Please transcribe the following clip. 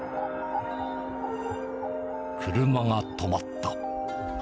車が止まった。